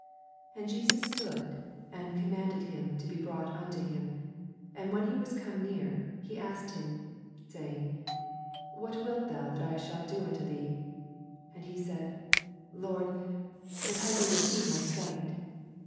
40 And Jesus stood, and com manded him to be brought unto him : and when he was come near, he asked him, 41 Saying, What wilt thou that I shall do unto thee ? And he said, Lord, that I may receive my sight.